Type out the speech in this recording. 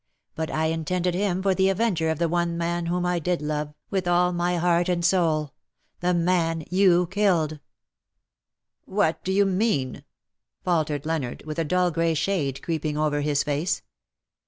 But I intended him for the avenger of that one man whom I did love, with all my heart and soul — the man you killed.'''' " What do you mean T' faltered Leonard, with a dull grey shade creeping over his face.